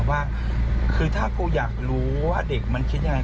ว่าคือถ้ากูอยากรู้ว่าเด็กมันคิดยังไง